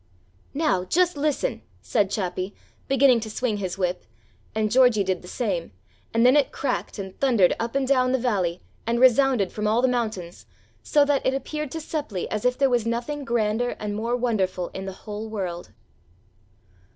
"Now, just listen," said Chappi, beginning to swing his whip, and Georgie did the same, and then it cracked and thundered up and down the valley and resounded from all the mountains, so that it appeared to Seppli as if there was nothing grander and more wonderful in the whole world.